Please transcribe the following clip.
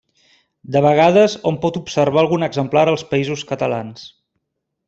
De vegades, hom pot observar algun exemplar als Països Catalans.